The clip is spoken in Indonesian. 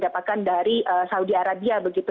dapatkan dari saudi arabia begitu